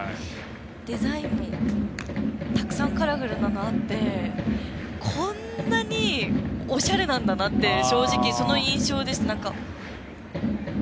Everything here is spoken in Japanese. デザインもたくさんカラフルなのがあってこんなにおしゃれなんだなって正直、その印象でしたね。